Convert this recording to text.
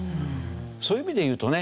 そういう意味でいうとね